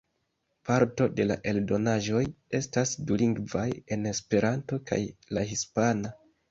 Parto de la eldonaĵoj estas dulingvaj, en Esperanto kaj la hispana.